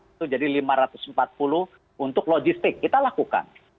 itu jadi lima ratus empat puluh untuk logistik kita lakukan